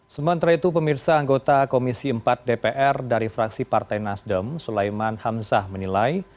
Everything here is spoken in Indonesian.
sementara itu pemirsa anggota komisi empat dpr dari fraksi partai nasdem sulaiman hamzah menilai